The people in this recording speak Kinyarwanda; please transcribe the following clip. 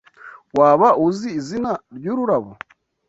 Waba uzi izina ryururabo?